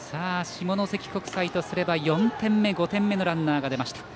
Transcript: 下関国際とすれば４点目５点目のランナーが出ました。